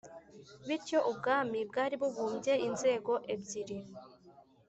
bityo ubwami bwari bubumbye inzego ebyiri